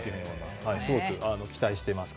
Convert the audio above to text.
すごく期待しています。